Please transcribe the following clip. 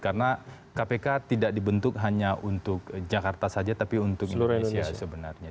karena kpk tidak dibentuk hanya untuk jakarta saja tapi untuk indonesia sebenarnya